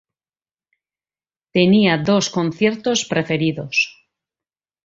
Tenía dos conciertos preferidos.